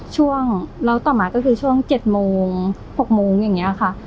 ช่วงแล้วต่อมาก็คือช่วงเจ็ดโมงหกโมงอย่างเงี้ยอะค่ะ